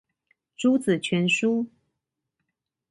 朱子全書